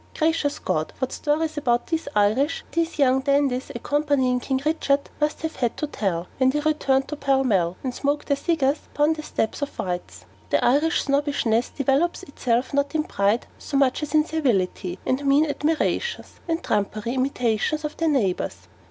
'Gwacious Gad' what stories about 'the Iwish' these young dandies accompanying King Richard must have had to tell, when they returned to Pall Mall, and smoked their cigars upon the steps of 'White's.' The Irish snobbishness developes itself not in pride so much as in servility and mean admirations, and trumpery imitations of their neighbours.